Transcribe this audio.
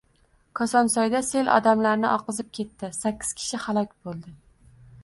Kosonsoyda sel odamlarni oqizib ketdi, sakkizkishi halok bo‘ldi